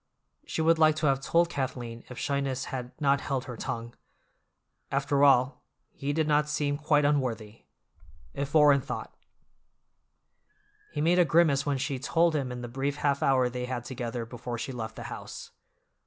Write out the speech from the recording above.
She would like to have told Kathleen if shyness had not held her tongue. After all, he did not seem quite unworthy. If Orrin thought— He made a grimace when she told him in the brief half hour they had together before she left the house.